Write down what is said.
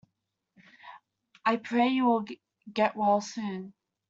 I pray you will get well soon.